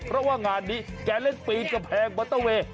เพราะว่างานนี้แกเรื่องปีนกับแพงบัตเตอร์เวย์